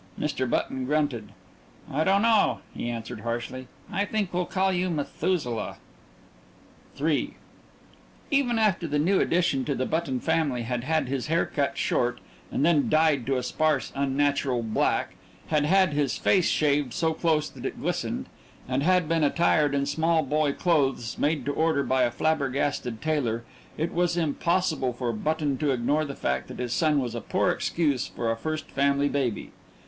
Mr. Button grunted. "I don't know," he answered harshly. "I think we'll call you Methuselah." III Even after the new addition to the Button family had had his hair cut short and then dyed to a sparse unnatural black, had had his face shaved so close that it glistened, and had been attired in small boy clothes made to order by a flabbergasted tailor, it was impossible for Button to ignore the fact that his son was a poor excuse for a first family baby.